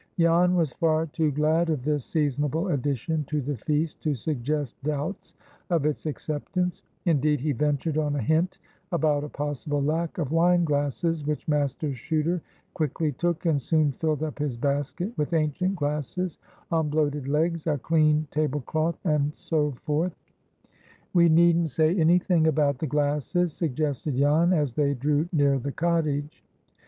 Jan was far too glad of this seasonable addition to the feast to suggest doubts of its acceptance; indeed, he ventured on a hint about a possible lack of wine glasses, which Master Chuter quickly took, and soon filled up his basket with ancient glasses on bloated legs, a clean table cloth, and so forth. "We needn't say any thing about the glasses," suggested Jan, as they drew near the cottage.